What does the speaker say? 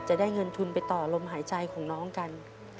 จะได้เงินทุนไปต่อลมหายใจของน้องกัน